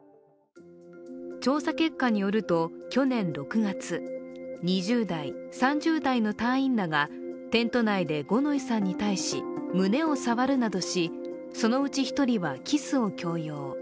調査結果によると去年６月、２０代、３０代の隊員らが、テント内で五ノ井さんに対し、胸を触るなどしそのうち１人はキスを強要。